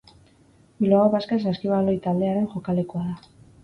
Bilbao Basket saskibaloi taldearen jokalekua da.